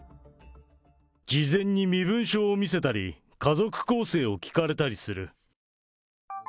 事前に身分証を見せたり、家族構成を聞かれたりする。